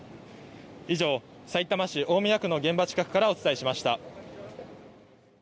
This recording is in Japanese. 以上、さいたま市大宮区の現場近くからお伝えしました。